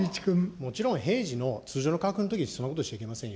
もちろん平時の通常の価格のとき、そんなことしちゃいけませんよ。